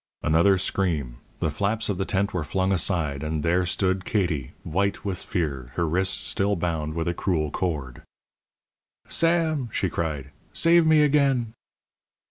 Another scream; the flaps of the tent were flung aside, and there stood Katie, white with fear, her wrists still bound with a cruel cord. "Sam!" she cried, "save me again!"